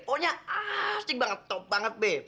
ohnya asik banget top banget be